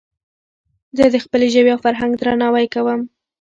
زه د خپلي ژبي او فرهنګ درناوی کوم.